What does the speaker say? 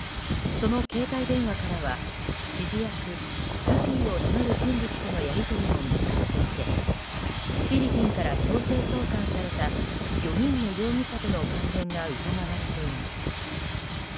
その携帯電話からは指示役ルフィを名乗る人物とのやり取りも見つかっていてフィリピンから強制送還された４人の容疑者との関連が疑われています。